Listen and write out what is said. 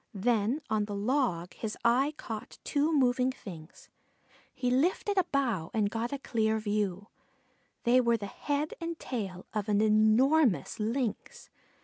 Then on the log his eye caught two moving things. He lifted a bough and got a clear view. They were the head and tail of an enormous Lynx.